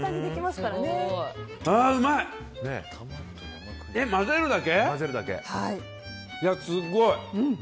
すっごい。